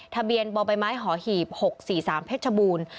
ทะเบียนบ่อใบไม้หอหีบ๖๔๓เพชรบูรณ์